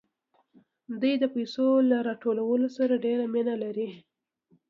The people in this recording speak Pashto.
دوی د پیسو له راټولولو سره ډېره مینه لري